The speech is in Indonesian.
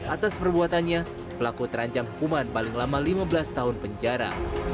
atas perbuatannya pelaku terancam hukuman paling lama lima belas tahun penjara